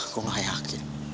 gue gak yakin